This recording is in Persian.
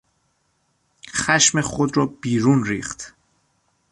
خشم خود را بیرون ریخت.